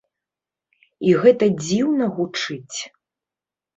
І гэта дзіўна гучыць.